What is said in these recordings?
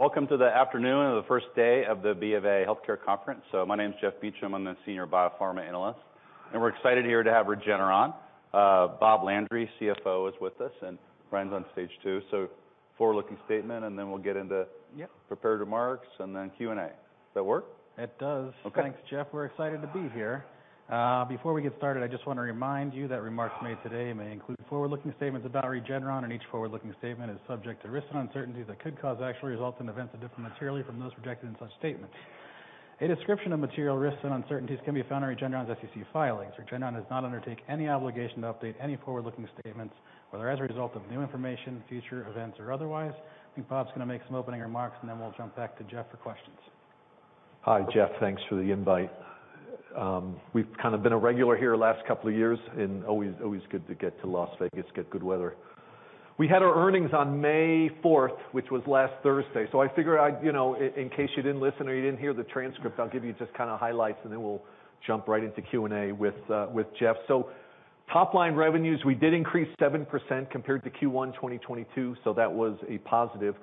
Welcome to the afternoon of the first day of the B of A Healthcare Conference. My name is Geoff Meacham. I'm the Senior Biopharma Analyst. We're excited here to have Regeneron. Bob Landry, CFO, is with us and Ryan's on stage too. Forward-looking statement, and then we'll get into. Yeah... prepared remarks and then Q&A. Does that work? It does. Okay. Thanks, Geoff. We're excited to be here. Before we get started, I just wanna remind you that remarks made today may include forward-looking statements about Regeneron, and each forward-looking statement is subject to risks and uncertainties that could cause actual results and events to differ materially from those projected in such statements. A description of material risks and uncertainties can be found in Regeneron's SEC filings. Regeneron does not undertake any obligation to update any forward-looking statements, whether as a result of new information, future events, or otherwise. I think Bob's gonna make some opening remarks, and then we'll jump back to Geoff for questions. Hi, Geoff. Thanks for the invite. We've kind of been a regular here the last couple of years, always good to get to Las Vegas, get good weather. We had our earnings on May fourth, which was last Thursday. I figured I'd, you know, in case you didn't listen or you didn't hear the transcript, I'll give you just kinda highlights, then we'll jump right into Q&A with Geoff. Top line revenues, we did increase 7% compared to Q1 2022, that was a positive.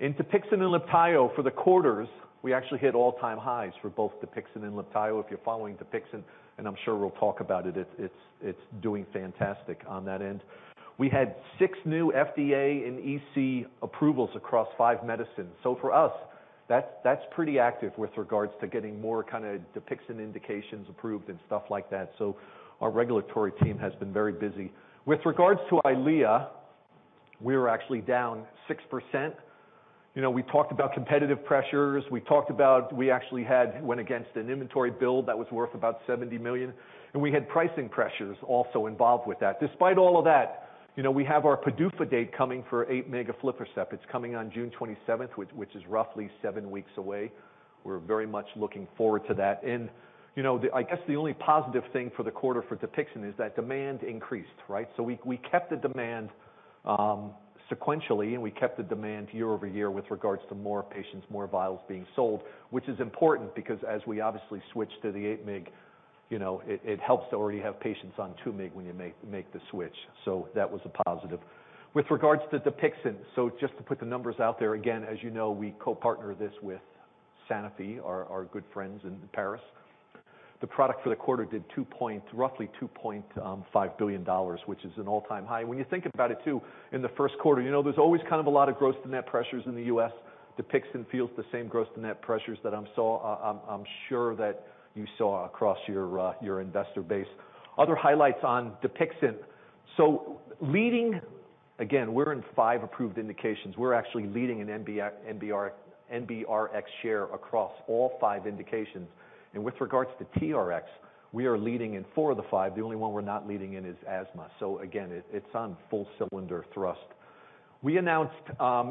In DUPIXENT and LIBTAYO for the quarters, we actually hit all-time highs for both DUPIXENT and LIBTAYO. If you're following DUPIXENT, I'm sure we'll talk about it's doing fantastic on that end. We had six new FDA and EC approvals across five medicines. For us, that's pretty active with regards to getting more kinda DUPIXENT indications approved and stuff like that. Our regulatory team has been very busy. With regards to EYLEA, we were actually down 6%. You know, we talked about competitive pressures. We talked about we went against an inventory build that was worth about $70 million, and we had pricing pressures also involved with that. Despite all of that, you know, we have our PDUFA date coming for 8 mg aflibercept. It's coming on June 27th, which is roughly seven weeks away. We're very much looking forward to that. You know, I guess the only positive thing for the quarter for DUPIXENT is that demand increased, right? We kept the demand sequentially and we kept the demand year-over-year with regards to more patients, more vials being sold, which is important because as we obviously switch to the 8 mg, you know, it helps to already have patients on 2 mg when you make the switch. That was a positive. With regards to DUPIXENT, just to put the numbers out there again, as you know, we co-partner this with Sanofi, our good friends in Paris. The product for the quarter did roughly $2.5 billion, which is an all-time high. When you think about it too, in the first quarter, you know, there's always kind of a lot of gross to net pressures in the US. DUPIXENT feels the same gross to net pressures that I'm sure that you saw across your investor base. Other highlights on DUPIXENT. Leading... Again, we're in five approved indications. We're actually leading an NBRx share across all five indications. With regards to TRx, we are leading in four of the five. The only one we're not leading in is asthma. Again, it's on full cylinder thrust. We announced,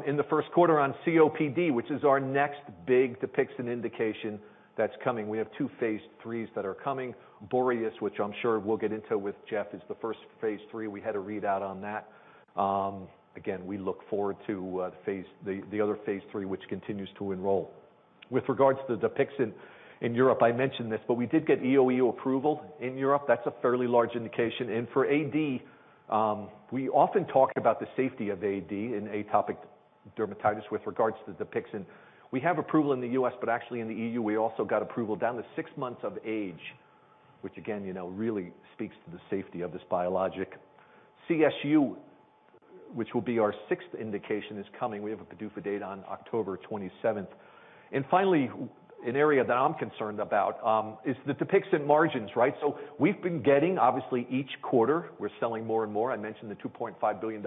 in the first quarter on COPD, which is our next big DUPIXENT indication that's coming. We have two phase IIIs that are coming. BOREAS, which I'm sure we'll get into with Geoff, is the first phase III. We had a readout on that. Again, we look forward to the other phase III, which continues to enroll. With regards to DUPIXENT in Europe, I mentioned this, but we did get EOE approval in Europe. That's a fairly large indication. For AD, we often talked about the safety of AD in atopic dermatitis with regards to DUPIXENT. We have approval in the U.S., but actually in the EU, we also got approval down to six months of age, which again, you know, really speaks to the safety of this biologic. CSU, which will be our sixth indication, is coming. We have a PDUFA date on October 27th. Finally, an area that I'm concerned about is the DUPIXENT margins, right? We've been getting, obviously each quarter, we're selling more and more. I mentioned the $2.5 billion.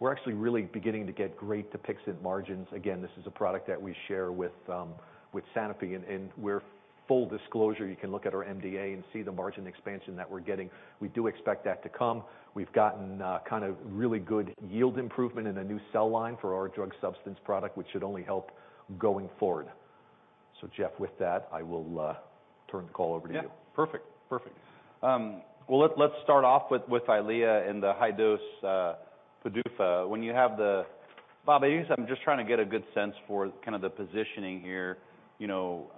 We're actually really beginning to get great DUPIXENT margins. This is a product that we share with Sanofi, and we're full disclosure. You can look at our MDA and see the margin expansion that we're getting. We do expect that to come. We've gotten kind of really good yield improvement in a new cell line for our drug substance product, which should only help going forward. Geoff, with that, I will turn the call over to you. Yeah. Perfect. Perfect. Well, let's start off with EYLEA and the high-dose PDUFA. Bob, I guess I'm just trying to get a good sense for kind of the positioning here. You know,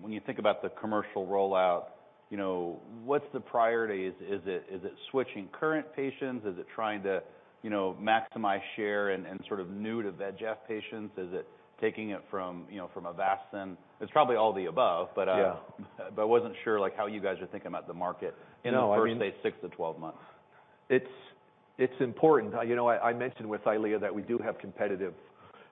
when you think about the commercial rollout, you know, what's the priority? Is it switching current patients? Is it trying to, you know, maximize share and sort of new to VEGF patients? Is it taking it from, you know, from Avastin? It's probably all the above, but. Yeah I wasn't sure like how you guys are thinking about the market... No, I mean-... in the first day, six-12 months. It's important. You know, I mentioned with EYLEA that we do have competitive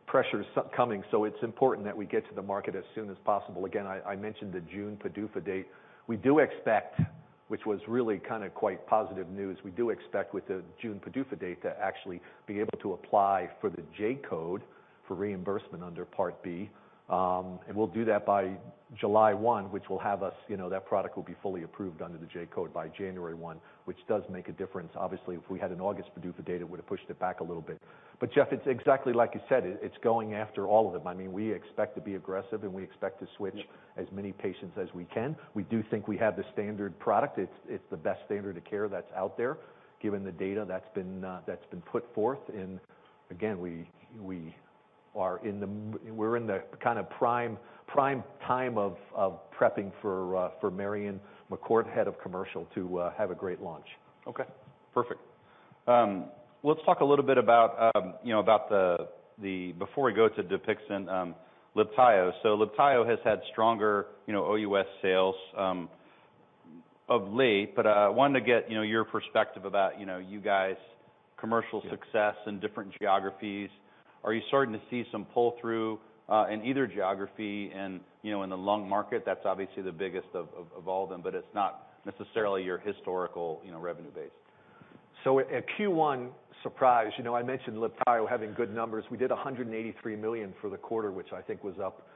pressures coming, so it's important that we get to the market as soon as possible. Again, I mentioned the June PDUFA date. We do expect, which was really kinda quite positive news, we do expect with the June PDUFA date to actually be able to apply for the J-code for reimbursement under Part B. We'll do that by July 1, which will have us, you know, that product will be fully approved under the J-code by January 1, which does make a difference. Obviously, if we had an August PDUFA date, it would have pushed it back a little bit. Geoff, it's exactly like you said, it's going after all of them. I mean, we expect to be aggressive and we expect to switch- Yeah... as many patients as we can. We do think we have the standard product. It's the best standard of care that's out there, given the data that's been put forth. Again, we are in the kinda prime time of prepping for Marion McCourt, Head of Commercial, to have a great launch. Okay. Perfect. Let's talk a little bit about, you know, about before we go to DUPIXENT, LIBTAYO. LIBTAYO has had stronger, you know, OUS sales, of late, but wanted to get, you know, your perspective about, you know, you guys' commercial success. Yeah in different geographies. Are you starting to see some pull-through, in either geography and, you know, in the lung market? That's obviously the biggest of all them, but it's not necessarily your historical, you know, revenue base. A Q1 surprise, you know, I mentioned LIBTAYO having good numbers. We did $183 million for the quarter, which I think was up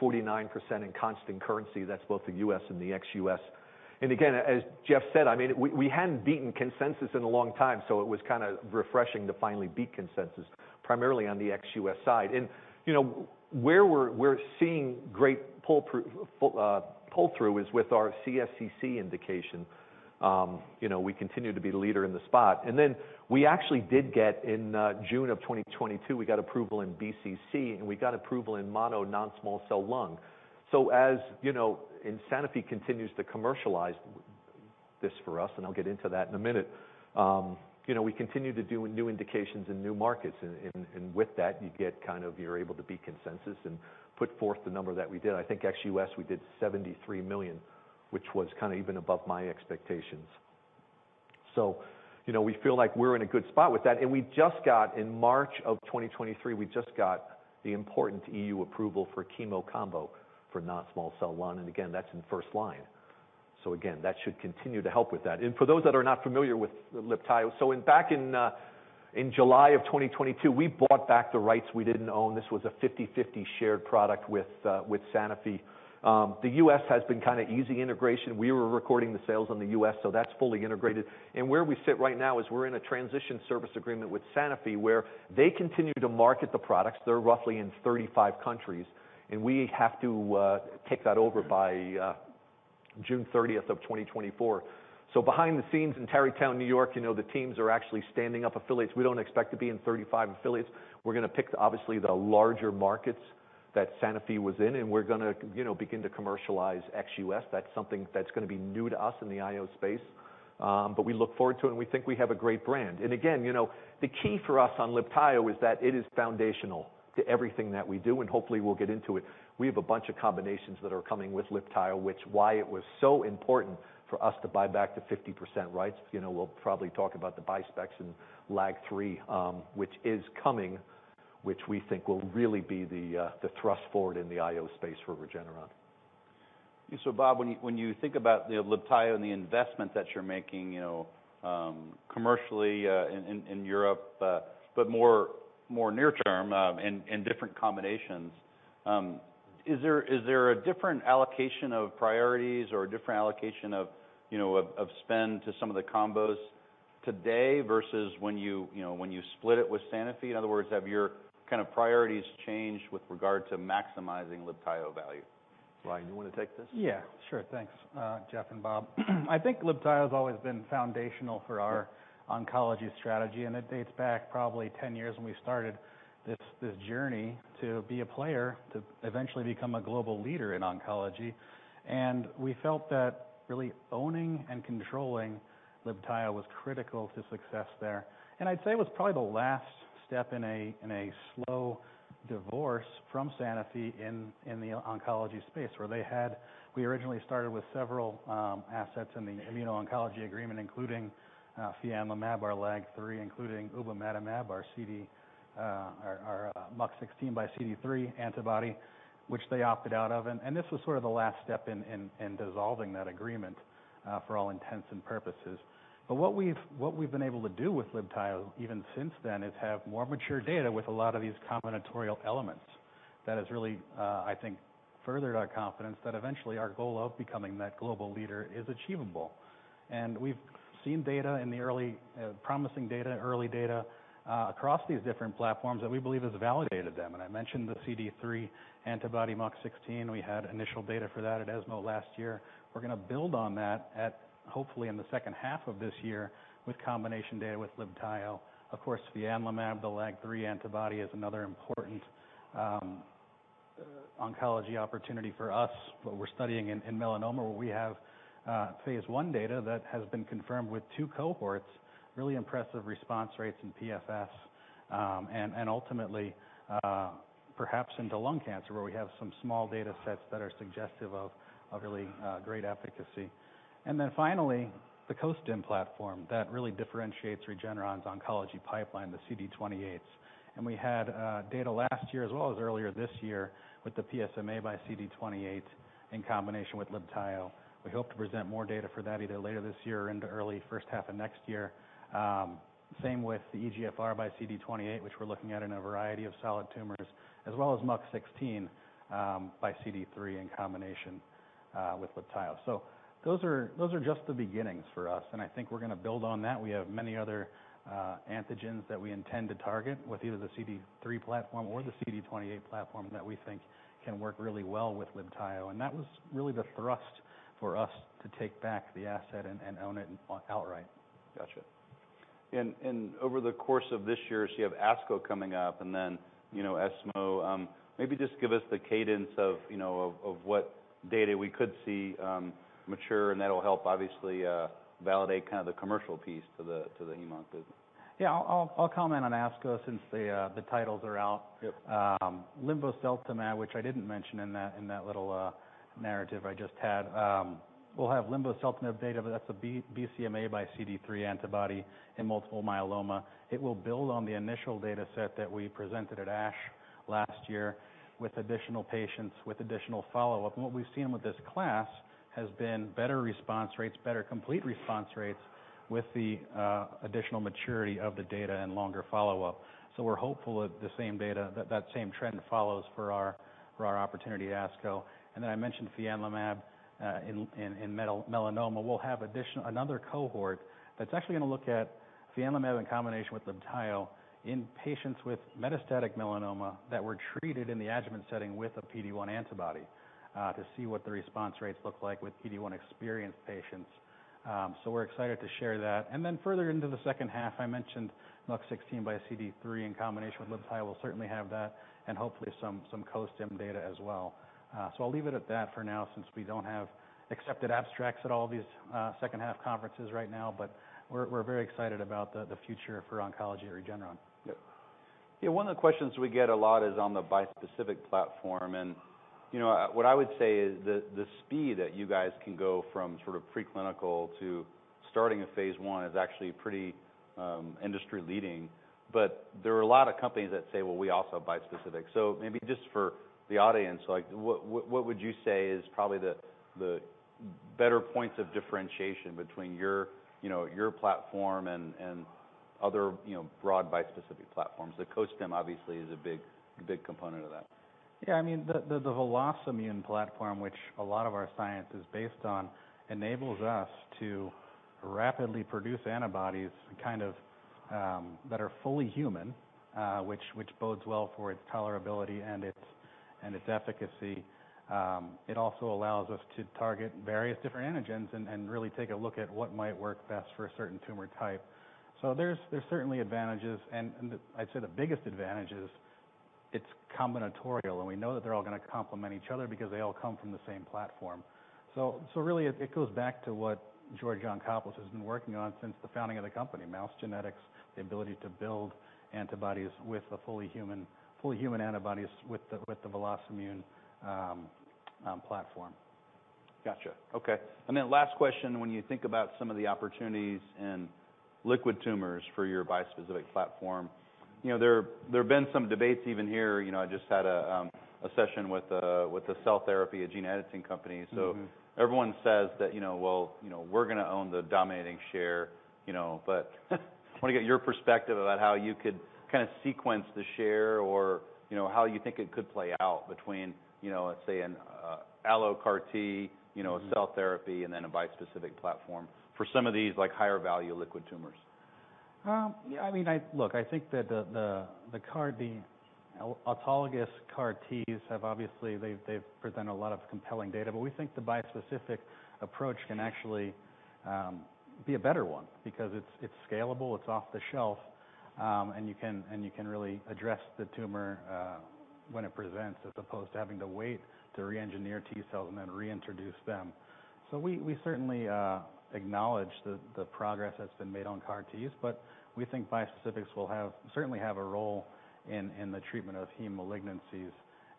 49% in constant currency. That's both the U.S. and the ex-U.S. Again, as Geoff said, I mean, we hadn't beaten consensus in a long time, so it was kind of refreshing to finally beat consensus, primarily on the ex-U.S. side. You know, where we're seeing great pull-through is with our CSCC indication. You know, we continue to be the leader in the spot. Then we actually did get in June of 2022, we got approval in BCC, and we got approval in mono non-small cell lung. As, you know, and Sanofi continues to commercialize this for us, and I'll get into that in a minute, you know, we continue to do new indications in new markets, and with that you get kind of, you're able to beat consensus and put forth the number that we did. I think ex-US we did $73 million, which was kinda even above my expectations. You know, we feel like we're in a good spot with that. We just got, in March of 2023, we just got the important EU approval for chemo combo for non-small cell lung, and again, that's in first line. Again, that should continue to help with that. For those that are not familiar with LIBTAYO, so in back in July of 2022, we bought back the rights we didn't own. This was a 50/50 shared product with Sanofi. The U.S. has been kinda easy integration. We were recording the sales in the U.S., so that's fully integrated. Where we sit right now is we're in a transition service agreement with Sanofi, where they continue to market the products. They're roughly in 35 countries, and we have to take that over by June 30, 2024. Behind the scenes in Tarrytown, New York, you know, the teams are actually standing up affiliates. We don't expect to be in 35 affiliates. We're gonna pick obviously the larger markets that Sanofi was in, and we're gonna, you know, begin to commercialize ex-U.S. That's something that's gonna be new to us in the IO space, but we look forward to it and we think we have a great brand. Again, you know, the key for us on LIBTAYO is that it is foundational to everything that we do, and hopefully we'll get into it. We have a bunch of combinations that are coming with LIBTAYO, which why it was so important for us to buy back the 50% rights. You know, we'll probably talk about the bispecifics in LAG-3, which is coming, which we think will really be the thrust forward in the IO space for Regeneron. Bob, when you think about the LIBTAYO and the investment that you're making, you know, commercially, in Europe, but more near term, in different combinations, is there a different allocation of priorities or a different allocation of, you know, of spend to some of the combos today versus when you know, when you split it with Sanofi? In other words, have your kind of priorities changed with regard to maximizing LIBTAYO value? Ryan, you wanna take this? Yeah. Sure. Thanks, Geoff and Bob. I think LIBTAYO's always been foundational for our oncology strategy. It dates back probably 10 years when we started this journey to be a player, to eventually become a global leader in oncology. We felt that really owning and controlling LIBTAYO was critical to success there. I'd say it was probably the last step in a slow divorce from Sanofi in the oncology space, where We originally started with several assets in the immuno-oncology agreement, including fianlimab, our LAG-3, including ubamatamab, our CD, our MUC16x CD3 antibody, which they opted out of. This was sort of the last step in dissolving that agreement for all intents and purposes. What we've been able to do with LIBTAYO even since then is have more mature data with a lot of these combinatorial elements that has really, I think, furthered our confidence that eventually our goal of becoming that global leader is achievable. We've seen data in the early promising data, early data, across these different platforms that we believe has validated them. I mentioned the CD3 antibody MUC16. We had initial data for that at ESMO last year. We're gonna build on that hopefully in the second half of this year with combination data with LIBTAYO. Of course, fianlimab, the LAG-3 antibody, is another important oncology opportunity for us. We're studying in melanoma, where we have phase I data that has been confirmed with two cohorts, really impressive response rates in PFS, and ultimately, perhaps into lung cancer, where we have some small data sets that are suggestive of really great efficacy. Finally, the costimulatory platform that really differentiates Regeneron's oncology pipeline, the CD28s. We had data last year as well as earlier this year with the PSMAxCD28 in combination with LIBTAYO. We hope to present more data for that either later this year or into early first half of next year. Same with the EGFRxCD28, which we're looking at in a variety of solid tumors, as well as MUC16xCD3 in combination with LIBTAYO. Those are just the beginnings for us, and I think we're gonna build on that. We have many other antigens that we intend to target with either the CD3 platform or the CD28 platform that we think can work really well with LIBTAYO. That was really the thrust for us to take back the asset and own it outright. Gotcha. Over the course of this year, so you have ASCO coming up and then, you know, ESMO, maybe just give us the cadence of, you know, of what data we could see mature, and that'll help obviously, validate kind of the commercial piece to the hemonc business? Yeah, I'll comment on ASCO since the titles are out. Yep. linvoseltamab, which I didn't mention in that, in that little narrative I just had, we'll have linvoseltamab data, but that's a BCMAxCD3 antibody in multiple myeloma. It will build on the initial data set that we presented at ASH last year with additional patients with additional follow-up. What we've seen with this class has been better response rates, better complete response rates with the additional maturity of the data and longer follow-up. We're hopeful that the same data, that same trend follows for our, for our opportunity at ASCO. I mentioned fianlimab in melanoma. We'll have another cohort that's actually gonna look at fianlimab in combination with LIBTAYO in patients with metastatic melanoma that were treated in the adjuvant setting with a PD-1 antibody to see what the response rates look like with PD-1-experienced patients. We're excited to share that. Then further into the second half, I mentioned MUC16xCD3 in combination with LIBTAYO. We'll certainly have that and hopefully some CoStim data as well. I'll leave it at that for now since we don't have accepted abstracts at all of these second half conferences right now, we're very excited about the future for oncology at Regeneron. Yep. Yeah, one of the questions we get a lot is on the bispecific platform, and, you know, what I would say is the speed that you guys can go from sort of preclinical to starting a phase I is actually pretty, industry leading. There are a lot of companies that say, "Well, we also have bispecific." Maybe just for the audience, like what, what would you say is probably the better points of differentiation between your, you know, your platform and other, you know, broad bispecific platforms? The CoStim obviously is a big, big component of that. I mean, the VelocImmune platform, which a lot of our science is based on, enables us to rapidly produce antibodies kind of, that are fully human, which bodes well for its tolerability and its efficacy. It also allows us to target various different antigens and really take a look at what might work best for a certain tumor type. There's certainly advantages, and I'd say the biggest advantage is it's combinatorial, and we know that they're all gonna complement each other because they all come from the same platform. Really it goes back to what George Yancopoulos has been working on since the founding of the company, mouse genetics, the ability to build antibodies with a fully human antibodies with the VelocImmune platform. Gotcha. Okay. Last question, when you think about some of the opportunities in liquid tumors for your bispecific platform, you know, there have been some debates even here. You know, I just had a session with a cell therapy, a gene editing company. Mm-hmm. Everyone says that, you know, "Well, you know, we're gonna own the dominating share," you know. I wanna get your perspective about how you could kind of sequence the share or, you know, how you think it could play out between, let's say an allo CAR-T. Mm-hmm... cell therapy, and then a bispecific platform for some of these like higher value liquid tumors. Yeah, I mean, look, I think that the CAR-T, autologous CAR-0Ts have obviously presented a lot of compelling data. We think the bispecific approach can actually be a better one because it's scalable, it's off the shelf, and you can really address the tumor when it presents, as opposed to having to wait to reengineer T-cells and then reintroduce them. We certainly acknowledge the progress that's been made on CAR-Ts, but we think bispecifics will certainly have a role in the treatment of heme malignancies.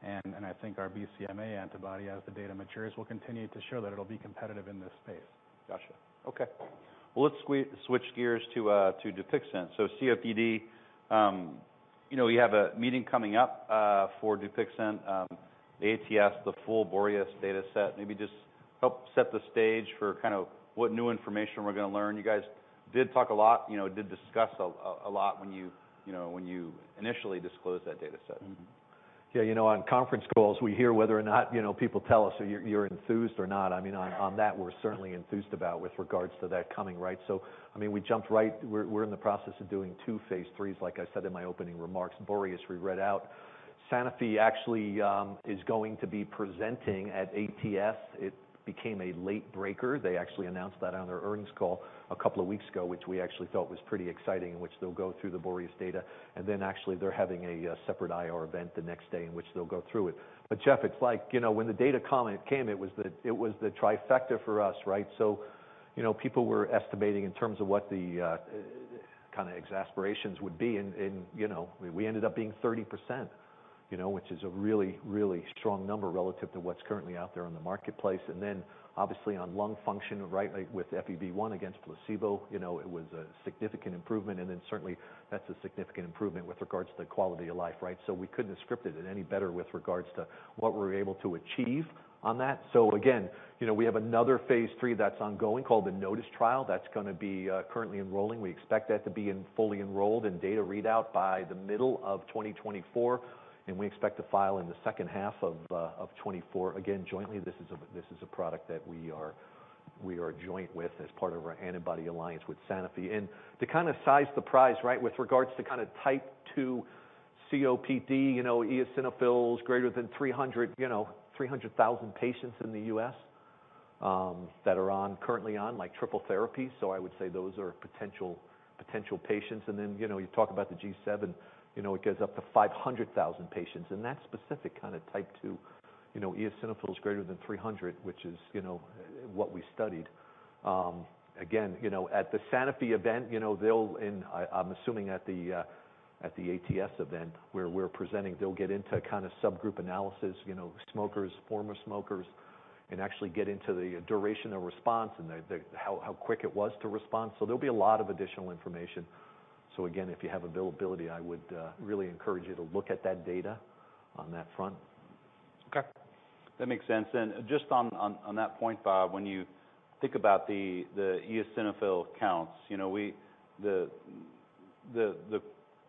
I think our BCMA antibody, as the data matures, will continue to show that it'll be competitive in this space. Gotcha. Okay. Let's switch gears to DUPIXENT. COPD, you know, you have a meeting coming up for DUPIXENT, ATS, the full BOREAS data set. Maybe just help set the stage for kind of what new information we're gonna learn. You guys did talk a lot, you know, did discuss a lot when you know, when you initially disclosed that data set. Yeah, you know, on conference calls, we hear whether or not, you know, people tell us, "Are you enthused or not?" I mean, on that, we're certainly enthused about with regards to that coming, right? I mean, we jumped right. We're in the process of doing two phase IIIs, like I said in my opening remarks, BOREAS read out. Sanofi actually is going to be presenting at ATS. It became a late breaker. They actually announced that on their earnings call a couple of weeks ago, which we actually thought was pretty exciting, in which they'll go through the BOREAS data. Then actually they're having a separate IR event the next day in which they'll go through it. Geoff, it's like, you know, when the data comment came, it was the trifecta for us, right? You know, people were estimating in terms of what the kind of exacerbations would be. You know, we ended up being 30%, you know, which is a really, really strong number relative to what's currently out there in the marketplace. Obviously on lung function, right, like with FEV1 against placebo, you know, it was a significant improvement. Certainly that's a significant improvement with regards to quality of life, right? We couldn't have scripted it any better with regards to what we were able to achieve on that. Again, you know, we have another phase III that's ongoing called the NOTUS trial. That's gonna be currently enrolling. We expect that to be fully enrolled in data readout by the middle of 2024, and we expect to file in the second half of 2024. Again, jointly, this is a product that we are joint with as part of our antibody alliance with Sanofi. To kind of size the prize, right, with regards to kind of Type 2 COPD, you know, eosinophils greater than 300, you know, 300,000 patients in the U.S., that are on, currently on like triple therapy. I would say those are potential patients. You talk about the G7, you know, it goes up to 500,000 patients, and that specific kind of Type 2- You know, eosinophils greater than 300, which is, you know, what we studied. Again, you know, at the Sanofi event, you know, they'll, and I'm assuming at the ATS event where we're presenting, they'll get into kind of subgroup analysis, you know, smokers, former smokers, and actually get into the duration of response and the, how quick it was to respond. There'll be a lot of additional information. Again, if you have availability, I would really encourage you to look at that data on that front. Okay. That makes sense. Just on that point, Bob, when you think about the eosinophil counts, you know, the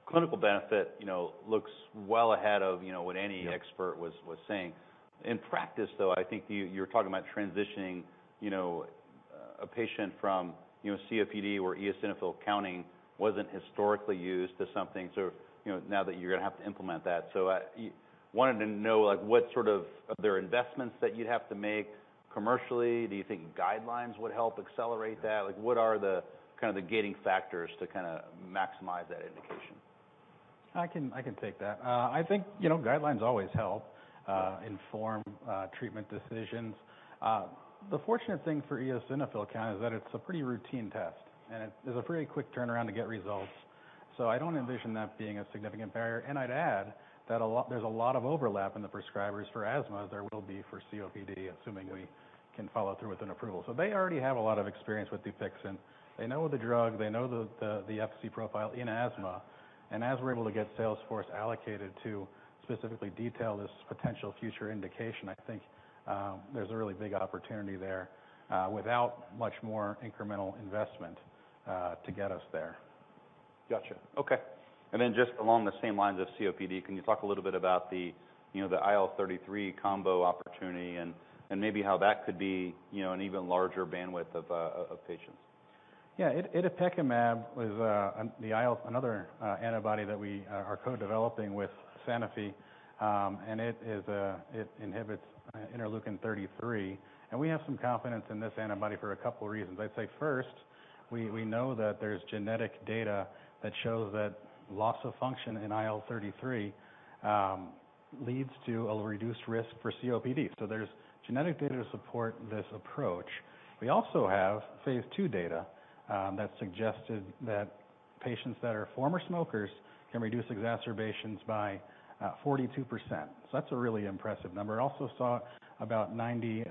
clinical benefit, you know, looks well ahead of, you know, what. Yeah. -expert was saying. In practice though, I think you're talking about transitioning, you know, a patient from, you know, COPD where eosinophil counting wasn't historically used to something sort of, you know, now that you're gonna have to implement that. I wanted to know, like, what sort of, are there investments that you'd have to make commercially? Do you think guidelines would help accelerate that? Like, what are the kind of the gating factors to kinda maximize that indication? I can take that. I think, you know, guidelines always help inform treatment decisions. The fortunate thing for eosinophil count is that it's a pretty routine test, and there's a pretty quick turnaround to get results. I don't envision that being a significant barrier. I'd add that there's a lot of overlap in the prescribers for asthma as there will be for COPD, assuming we can follow through with an approval. They already have a lot of experience with DUPIXENT. They know the drug, they know the FC profile in asthma. As we're able to get sales force allocated to specifically detail this potential future indication, I think there's a really big opportunity there without much more incremental investment to get us there. Gotcha. Okay. Just along the same lines of COPD, can you talk a little bit about the, you know, the IL-33 combo opportunity and maybe how that could be, you know, an even larger bandwidth of patients? Yeah. It, itepekimab was another antibody that we are co-developing with Sanofi. It is, it inhibits interleukin-33. We have some confidence in this antibody for a couple reasons. I'd say first, we know that there's genetic data that shows that loss of function in IL-33 leads to a reduced risk for COPD. There's genetic data to support this approach. We also have phase II data that suggested that patients that are former smokers can reduce exacerbations by 42%. That's a really impressive number. Also saw about 90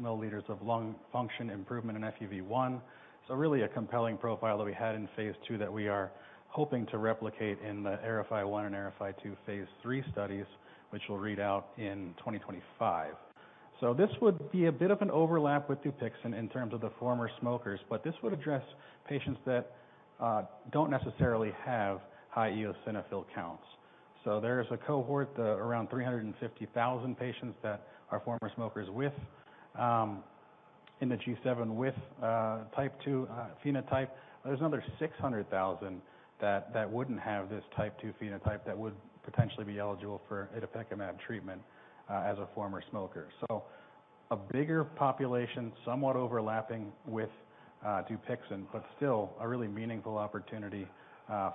milliliters of lung function improvement in FEV1. Really a compelling profile that we had in phase II that we are hoping to replicate in the AERIFY-1 and AERIFY-2 phase III studies, which will read out in 2025. This would be a bit of an overlap with DUPIXENT in terms of the former smokers, but this would address patients that don't necessarily have high eosinophil counts. There's a cohort around 350,000 patients that are former smokers with in the G7 with Type 2 phenotype. There's another 600,000 that wouldn't have this Type 2 phenotype that would potentially be eligible for itepekimab treatment as a former smoker. A bigger population, somewhat overlapping with DUPIXENT, but still a really meaningful opportunity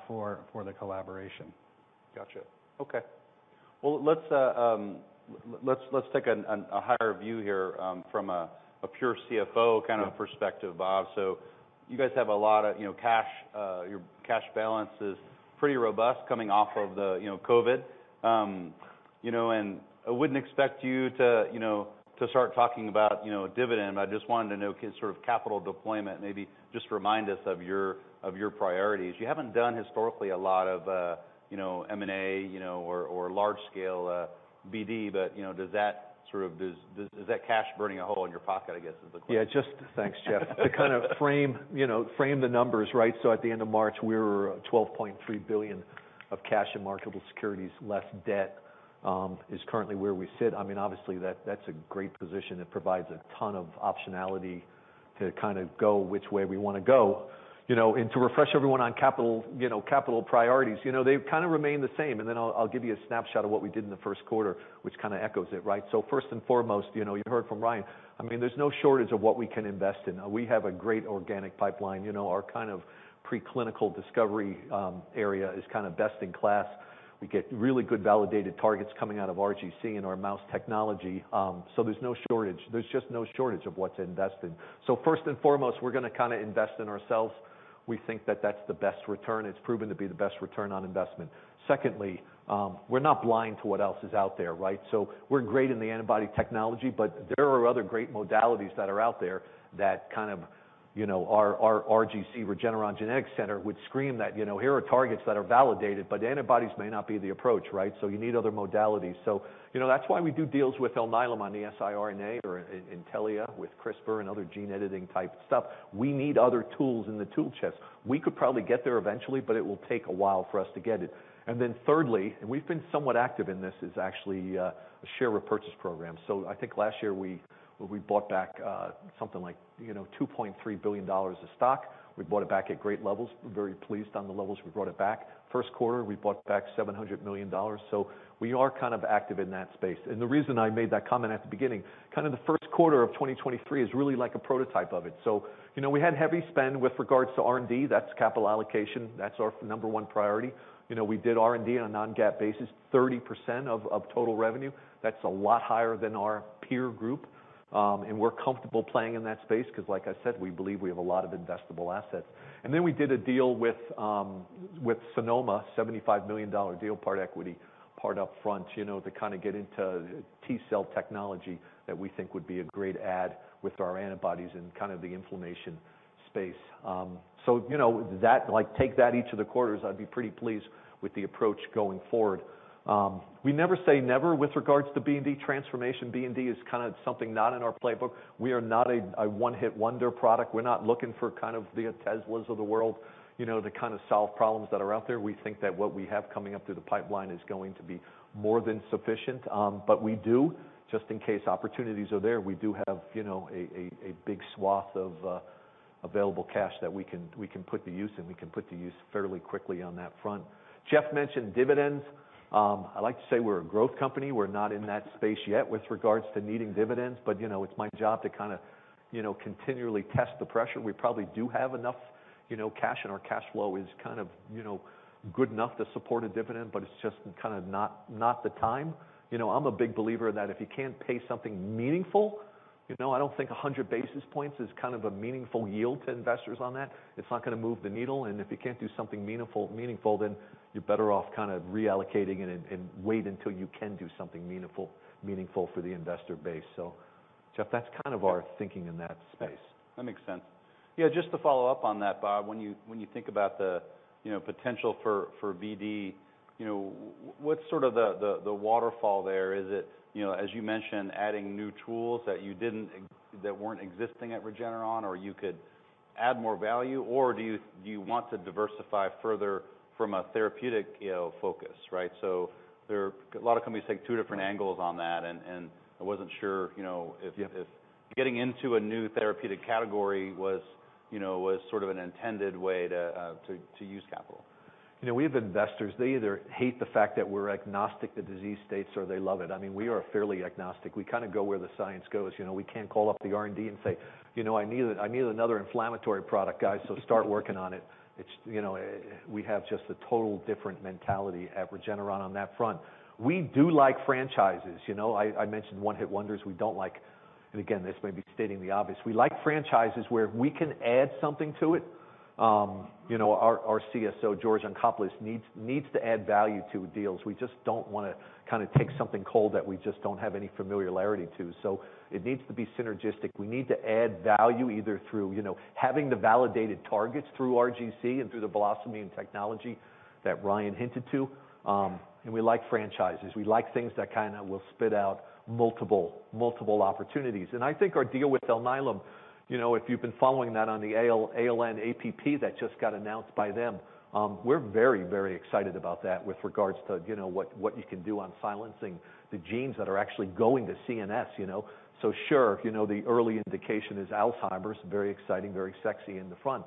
for the collaboration. Gotcha. Okay. Well, let's take a higher view here from a pure CFO kind of perspective, Bob. You guys have a lot of, you know, cash. Your cash balance is pretty robust coming off of the, you know, COVID. You know, I wouldn't expect you to, you know, to start talking about, you know, a dividend, I just wanted to know sort of capital deployment, maybe just remind us of your, of your priorities. You haven't done historically a lot of, you know, M&A, you know, or large scale BD, you know, is that cash burning a hole in your pocket, I guess is the question. Thanks, Geoff. To kind of frame, you know, frame the numbers, right? At the end of March, we were $12.3 billion of cash and marketable securities, less debt, is currently where we sit. I mean, obviously that's a great position that provides a ton of optionality to kind of go which way we want to go. You know, and to refresh everyone on capital, you know, capital priorities, you know, they've kind of remained the same, and then I'll give you a snapshot of what we did in the first quarter, which kind of echoes it, right? First and foremost, you know, you heard from Ryan, I mean, there's no shortage of what we can invest in. We have a great organic pipeline. You know, our kind of preclinical discovery, area is kind of best in class. We get really good validated targets coming out of RGC and our mouse technology. There's no shortage. There's just no shortage of what to invest in. First and foremost, we're gonna kinda invest in ourselves. We think that that's the best return. It's proven to be the best return on investment. Secondly, we're not blind to what else is out there, right? We're great in the antibody technology, but there are other great modalities that are out there that kind of, you know, our RGC, Regeneron Genetics Center, would scream that, you know, here are targets that are validated, but antibodies may not be the approach, right? You need other modalities. You know, that's why we do deals with Alnylam on the siRNA or Intellia with CRISPR and other gene editing type stuff. We need other tools in the tool chest. We could probably get there eventually, but it will take a while for us to get it. Then thirdly, and we've been somewhat active in this, is actually a share repurchase program. I think last year we bought back something like, you know, $2.3 billion of stock. We bought it back at great levels. We're very pleased on the levels we bought it back. First quarter, we bought back $700 million, so we are kind of active in that space. The reason I made that comment at the beginning, kind of the first quarter of 2023 is really like a prototype of it. You know, we had heavy spend with regards to R&D. That's capital allocation. That's our number one priority. You know, we did R&D on a non-GAAP basis, 30% of total revenue. That's a lot higher than our peer group. We're comfortable playing in that space because like I said, we believe we have a lot of investable assets. Then we did a deal with Sonoma, a $75 million deal, part equity, part upfront, you know, to kind of get into T cell technology that we think would be a great add with our antibodies in kind of the inflammation space. You know, that like, take that each of the quarters, I'd be pretty pleased with the approach going forward. We never say never with regards to B&D transformation. B&D is kind of something not in our playbook. We are not a one-hit wonder product. We're not looking for kind of the Teslas of the world, you know, to kind of solve problems that are out there. We think that what we have coming up through the pipeline is going to be more than sufficient. We do, just in case opportunities are there, we do have, you know, a big swath of available cash that we can put to use, and we can put to use fairly quickly on that front. Geoff mentioned dividends. I'd like to say we're a growth company. We're not in that space yet with regards to needing dividends, you know, it's my job to kinda, you know, continually test the pressure. We probably do have enough, you know, cash and our cash flow is kind of, you know, good enough to support a dividend, it's just kind of not the time. You know, I'm a big believer that if you can't pay something meaningful, you know, I don't think 100 basis points is kind of a meaningful yield to investors on that. It's not gonna move the needle, and if you can't do something meaningful, then you're better off kind of reallocating it and wait until you can do something meaningful for the investor base. Geoff, that's kind of our thinking in that space. That makes sense. Yeah, just to follow up on that, Bob, when you think about the, you know, potential for BD, you know, what's sort of the waterfall there? Is it, you know, as you mentioned, adding new tools that weren't existing at Regeneron or you could add more value, or do you want to diversify further from a therapeutic, you know, focus, right? There are a lot of companies take two different angles on that, and I wasn't sure, you know, if getting into a new therapeutic category was, you know, was sort of an intended way to use capital. You know, we have investors, they either hate the fact that we're agnostic to disease states or they love it. I mean, we are fairly agnostic. We kinda go where the science goes. You know, we can't call up the R&D and say, "You know, I need another inflammatory product, guys, start working on it." It's, you know, we have just a total different mentality at Regeneron on that front. We do like franchises. You know, I mentioned one-hit wonders we don't like, again, this may be stating the obvious. We like franchises where we can add something to it. You know, our CSO, George Yancopoulos, needs to add value to deals. We just don't wanna kinda take something cold that we just don't have any familiarity to. It needs to be synergistic. We need to add value either through, you know, having the validated targets through RGC and through the VelocImmune technology that Ryan hinted to. We like franchises. We like things that kinda will spit out multiple opportunities. I think our deal with Alnylam, you know, if you've been following that on the ALN-APP that just got announced by them, we're very, very excited about that with regards to, you know, what you can do on silencing the genes that are actually going to CNS, you know? Sure, you know, the early indication is Alzheimer's, very exciting, very sexy in the front.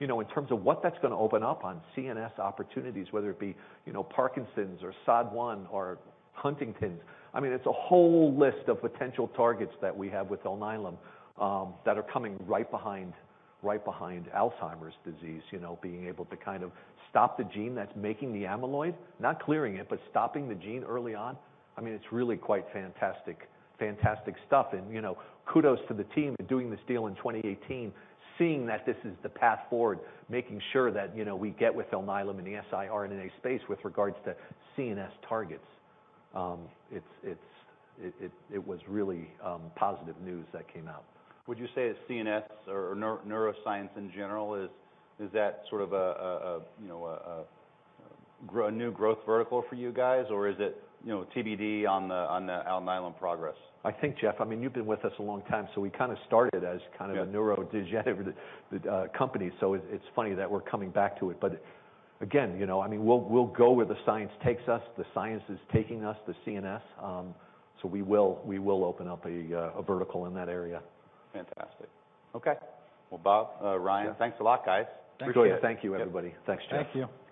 You know, in terms of what that's gonna open up on CNS opportunities, whether it be, you know, Parkinson's or SOD1 or Huntington's, I mean, it's a whole list of potential targets that we have with Alnylam that are coming right behind Alzheimer's disease. You know, being able to kind of stop the gene that's making the amyloid, not clearing it, but stopping the gene early on. I mean, it's really quite fantastic stuff. You know, kudos to the team in doing this deal in 2018, seeing that this is the path forward, making sure that, you know, we get with Alnylam in the siRNA space with regards to CNS targets. It was really positive news that came out. Would you say that CNS or neuroscience in general, is that sort of a, you know, a new growth vertical for you guys or is it, you know, TBD on the Alnylam progress? I think, Geoff, I mean, you've been with us a long time. We kinda started as Yeah. a neurodegenerative company. It's funny that we're coming back to it. Again, you know, I mean, we'll go where the science takes us. The science is taking us to CNS, so we will open up a vertical in that area. Fantastic. Okay. Well, Bob, Ryan. Yeah. Thanks a lot, guys. Thank you. Appreciate it. Thank you, everybody. Yep. Thanks, Geoff. Thank you.